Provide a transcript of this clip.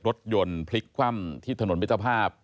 รถยนต์พลิกคว่ำที่ถนนมิตรภาพ